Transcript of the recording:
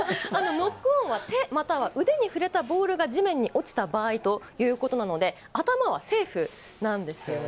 ノックオンは手、または腕に触れたボールが地面に落ちた場合ということなんで、頭はセーフなんですよね。